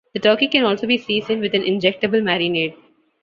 The turkey can also be seasoned with an injectable marinade.